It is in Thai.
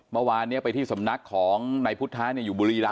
เมื่อวานนี้ไปที่สำนักของนายพุทธะอยู่บุรีรำ